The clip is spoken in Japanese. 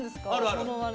ものまね。